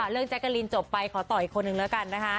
แจ๊กกะลินจบไปขอต่ออีกคนนึงแล้วกันนะคะ